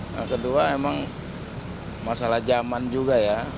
yang kedua memang masalah zaman juga ya